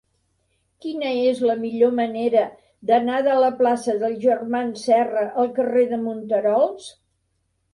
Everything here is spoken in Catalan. Quina és la millor manera d'anar de la plaça dels Germans Serra al carrer de Monterols?